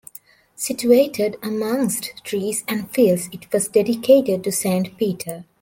Situated amongst trees and fields, it was dedicated to Saint Peter.